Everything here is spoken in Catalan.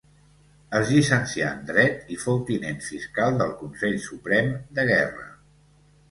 Es llicencià en dret i fou tinent fiscal del Consell Suprem de Guerra.